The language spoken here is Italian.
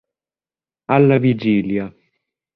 Alla vigilia